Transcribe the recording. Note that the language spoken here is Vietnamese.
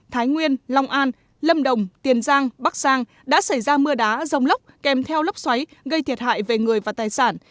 thái nguyên long an lâm đồng tiền giang bắc giang đã xảy ra mưa đá rông lốc kèm theo lốc xoáy gây thiệt hại về người và tài sản